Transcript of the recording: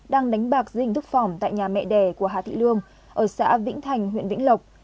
đang đánh bạc dưới hình thức phẩm tại nhà mẹ đẻ của hà thị lương ở xã vĩnh thành huyện vĩnh lộc